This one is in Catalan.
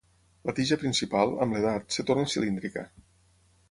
La tija principal, amb l'edat, es torna cilíndrica.